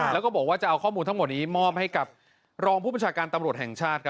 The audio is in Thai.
แล้วก็บอกว่าจะเอาข้อมูลทั้งหมดนี้มอบให้กับรองผู้ประชาการตำรวจแห่งชาติ